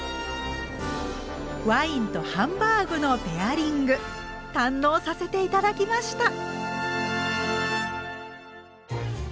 ワインとハンバーグのペアリング堪能させて頂きました！